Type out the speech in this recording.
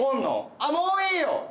あもういいよ。